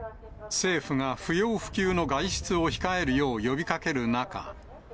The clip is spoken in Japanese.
政府が不要不急の外出を控えるよう呼びかける中。